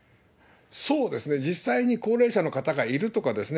そうですね、実際に高齢者の方がいるとかですね、